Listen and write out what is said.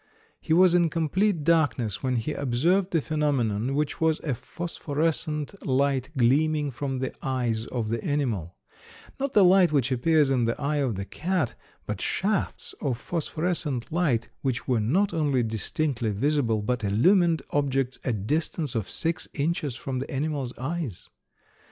He was in complete darkness when he observed the phenomenon, which was a phosphorescent light gleaming from the eyes of the animal; not the light which appears in the eye of the cat, but shafts of phosphorescent light which were not only distinctly visible, but illumined objects a distance of six inches from the animal's eyes.